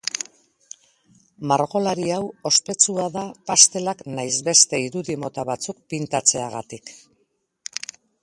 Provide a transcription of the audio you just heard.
Margolari hau ospetsua da pastelak nahiz beste irudi mota batzuk pintatzeagatik.